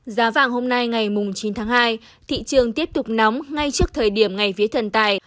giá vàng hôm nay ngày chín tháng hai thị trường tiếp tục nóng ngay trước thời điểm ngày vía thần tài